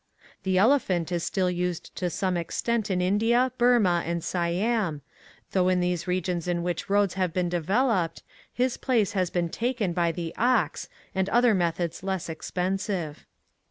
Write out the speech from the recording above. The elephant is still used to some ex tent in India, Burmah, and Siam, though in these sections in which roads have been developed his place has been taken by the ox and other methods less ex pensive.